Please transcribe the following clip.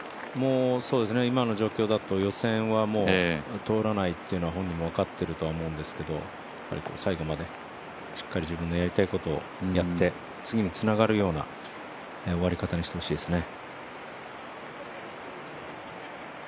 今の状況だと予選は通らないっていうのは本人も分かってると思いますけど最後まで自分のやりたいことをやって次につながるような終わり方にしてほしいですね。